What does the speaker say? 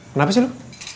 kenapa sih lu